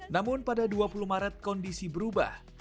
namun pada dua puluh maret kondisi berubah